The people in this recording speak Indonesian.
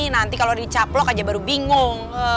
nanti kalau dicaplok aja baru bingung